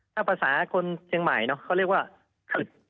ถ้าภาษาคนเชียงใหม่เนอะเขาเรียกว่าอึด